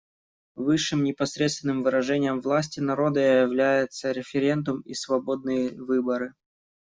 Высшим непосредственным выражением власти народа являются референдум и свободные выборы.